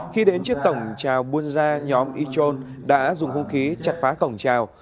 khi đến trước cổng trào buôn gia nhóm y chun đã dùng hung khí chặt phá cổng trào